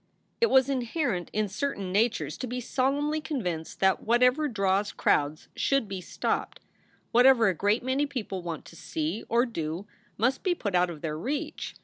It was inherent in certain natures to be solemnly con vinced that whatever draws crowds should be stopped; whatever a great many people want to see or do must be put out of their reach.